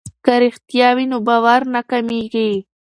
که رښتیا وي نو باور نه کمیږي.